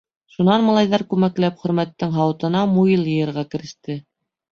Шунан малайҙар күмәкләп Хөрмәттең һауытына муйыл йыйырға кереште.